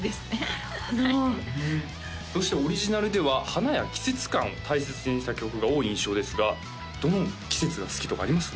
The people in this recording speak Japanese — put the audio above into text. なるほどそしてオリジナルでは花や季節感を大切にした曲が多い印象ですがどの季節が好きとかあります？